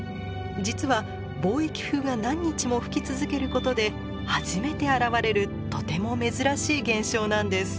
実は貿易風が何日も吹き続けることで初めて現れるとても珍しい現象なんです。